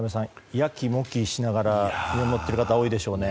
やきもきしながら見守っている方は多いでしょうね。